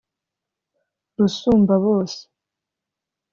Rusumbabose”